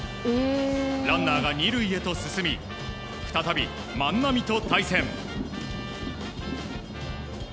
ランナーが２塁へと進み再び万波と対戦。